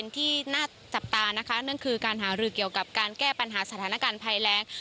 ที่น่าจับตานะคะนั่นคือการหารือเกี่ยวกับการแก้ปัญหาสถานการณ์ภัยแรง